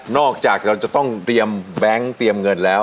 อกจากเราจะต้องเตรียมแบงค์เตรียมเงินแล้ว